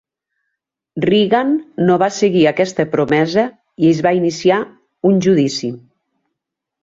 Reagan no va seguir aquesta promesa i es va iniciar un judici.